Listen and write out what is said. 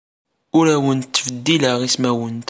Ur awent-ttbeddileɣ ismawent.